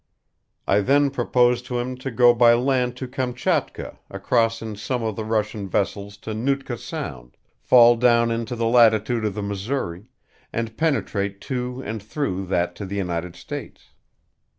I then proposed to him to go by land to Kamchatka, cross in some of the Russian vessels to Nootka Sound, fall down into the latitude of the Missouri, and penetrate to and through that to the United States.